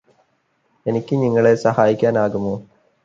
എനിക്ക് നിങ്ങളെ സഹായിക്കാനാകുമോ